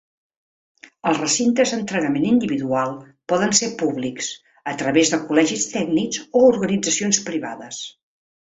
Els recintes d'entrenament individual poden ser públics, a través de col·legis tècnics o organitzacions privades.